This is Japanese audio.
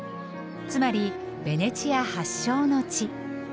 つまりベネチア発祥の地。